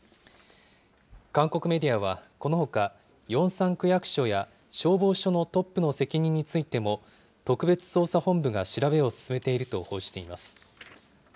韓国メディアは、このほか、ヨンサン区役所や消防署のトップの責任についても、特別捜査本部が調べを進めていると報じています。